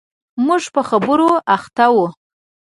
موږ په خبرو اخته و.